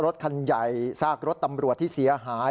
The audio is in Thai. รถคันใหญ่ซากรถตำรวจที่เสียหาย